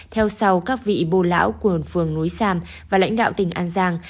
theo sau các vị bô lão quần phường núi sam và lãnh đạo tỉnh an giang